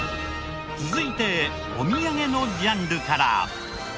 続いてお土産のジャンルから。